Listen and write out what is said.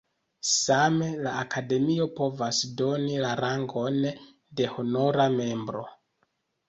Same, la Akademio povas doni la rangon de honora membro.